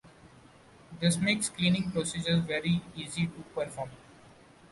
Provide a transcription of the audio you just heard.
This makes cleaning procedures very easy to perform.